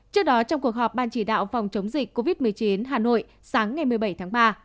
trước đó trong cuộc họp ban chỉ đạo phòng chống dịch covid một mươi chín hà nội sáng ngày một mươi bảy tháng ba